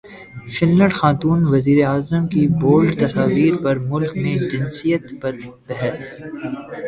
fun land خاتون وزیراعظم کی بولڈ تصاویر پر ملک میں جنسیت پر بحث